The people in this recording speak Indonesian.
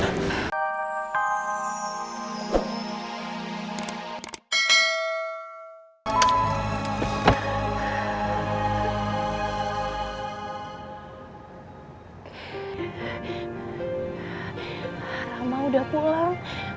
rama udah pulang